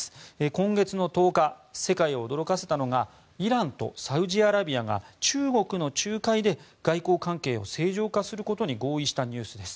今月１０日、世界を驚かせたのがイランとサウジアラビアが中国の仲介で外交関係を正常化することに合意したニュースです。